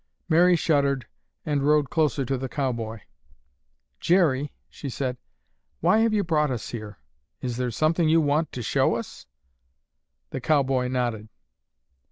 Mary shuddered and rode closer to the cowboy. "Jerry," she said, "why have you brought us here? Is there something that you want to show us?" The cowboy nodded.